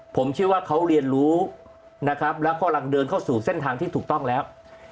ผมเชื่อว่าเขาเรียนรู้นะครับแล้วกำลังเดินเข้าสู่เส้นทางที่ถูกต้องแล้ว